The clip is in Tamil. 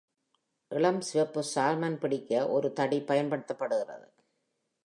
இளஞ்சிவப்பு சால்மன் பிடிக்க ஒரு தடி பயன்படுத்தப்படுகிறது.